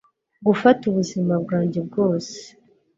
gufata ubuzima bwanjye bwose